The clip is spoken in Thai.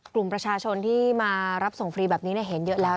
กลุ่มประชาชนที่มารับส่งฟรีแบบนี้เห็นเยอะแล้ว